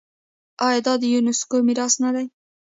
آیا دا د یونیسکو میراث نه دی؟